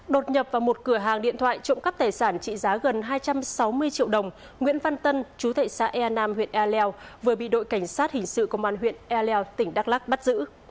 đột nhập vào một cửa hàng điện thoại trộm cắp tài sản trị giá gần hai trăm sáu mươi triệu đồng nguyễn văn tân chú tệ xã ea nam huyện e leo vừa bị đội cảnh sát hình sự công an huyện e leo tỉnh đắk lắc bắt giữ